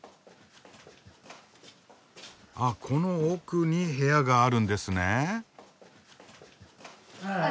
あこの奥に部屋があるんですね。